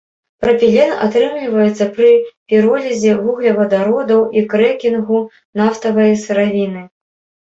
Прапілен атрымліваецца пры піролізе вуглевадародаў і крэкінгу нафтавай сыравіны.